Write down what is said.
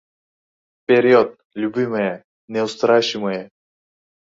Vperyod, lyubimaya! Neustrashimaya!